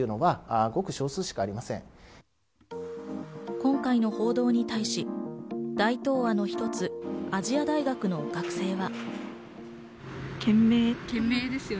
今回の報道に対し、大東亜の一つ、亜細亜大学の学生は。